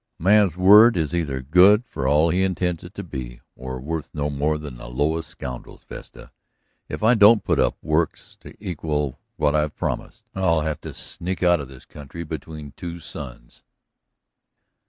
"A man's word is either good for all he intends it to be, or worth no more than the lowest scoundrel's, Vesta. If I don't put up works to equal what I've promised, I'll have to sneak out of this country between two suns."